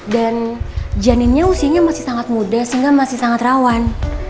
dan janinnya usianya masih sangat muda sehingga masih sangat rawan